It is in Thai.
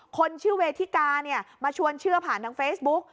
คนชื่อเวทิกาเนี่ยมาชวนเชื่อผ่านทางเฟซบุ๊ก